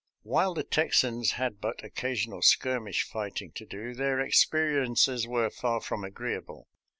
While the Tex ans had but occasional skirmish fighting to do, their experiences were far from agreeable.